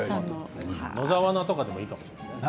野沢菜でもいいかもしれませんね。